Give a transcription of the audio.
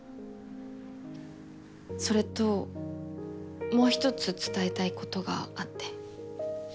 それともう一つ伝えたい事があって。